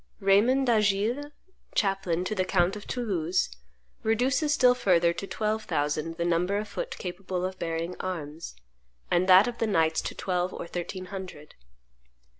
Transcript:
Raymond d'Agiles, chaplain to the count of Toulouse, reduces still further to twelve thousand the number of foot capable of bearing arms, and that of the knights to twelve or thirteen hundred.